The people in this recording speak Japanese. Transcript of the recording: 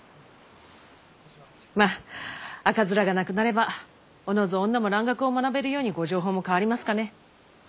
まっ赤面がなくなればおのず女も蘭学を学べるようにご定法も変わりますかね。